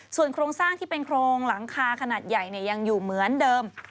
ส่วนโครงสร้างที่เป็นโครงหลังคาขนาดใหญ่ยังอยู่เหมือนเดิม